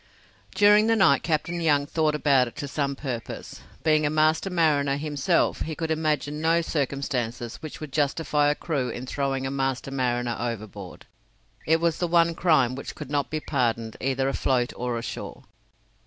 During the night Captain Young thought about it to some purpose. Being a master mariner himself he could imagine no circumstances which would justify a crew in throwing a master mariner overboard. It was the one crime which could not be pardoned either afloat or ashore.